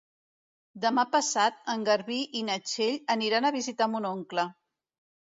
Demà passat en Garbí i na Txell aniran a visitar mon oncle.